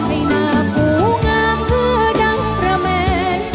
ให้หมากกูงามหือดังกระแมน